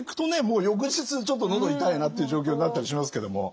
もう翌日ちょっと喉痛いなという状況になったりしますけども。